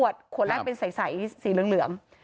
ขวดแรกเป็นใสสีเหลือง